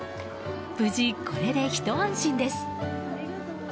無事、これでひと安心です。